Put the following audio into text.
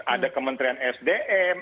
ada kementerian sdm